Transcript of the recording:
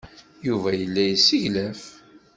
Yuba yella yesseglaf.